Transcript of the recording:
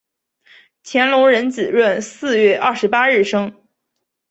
乾隆壬子闰四月二十八日生。